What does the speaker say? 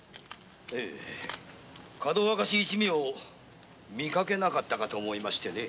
ええがどわかし一味を見かけなかったかと思いましてね。